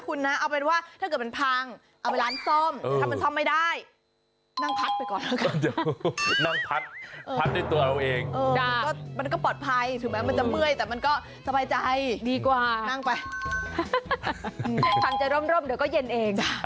คุณลองคิดสภาพคุณนอนอยู่แล้วแบบโอ๊ะรังแปะ